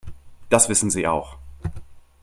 Das wissen Sie auch.